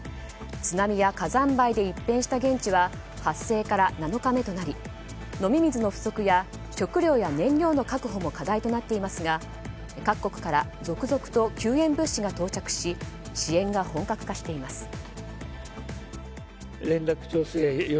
津波や火山灰で一変した現地は発生から７日目となり飲み水の不足や食料や燃料の確保も課題となっていますが各国から続々と救援物資が到着し支援が本格化しています。